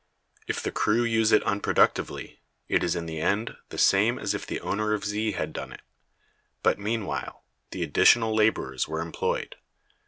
If the crew use it unproductively, it is in the end the same as if the owner of Z had done it; but meanwhile the additional laborers were employed.